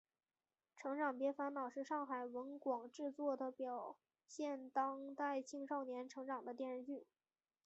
成长别烦恼是上海文广制作的表现当代青少年成长的电视剧。